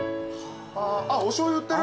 あっおしょうゆ売ってる。